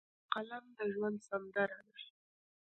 فلم د ژوند سندره ده